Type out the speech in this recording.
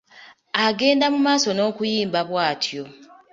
Agenda mu maaso n’okuyimba bwatyo.